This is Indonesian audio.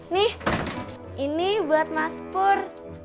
nih ini buat mas pur